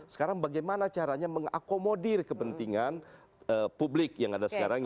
sekarang bagaimana caranya mengakomodir kepentingan publik yang ada sekarang